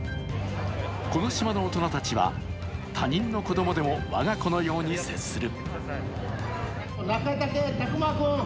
この島の大人たちは他人の子供でも我が子のように接する。